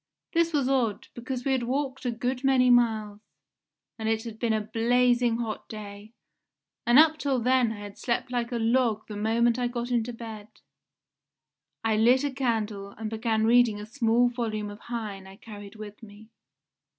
This was odd, because we had walked a good many miles, and it had been a blazing hot day, and up till then I had slept like a log the moment I got into bed. I lit a candle and began reading a small volume of Heine I carried with me.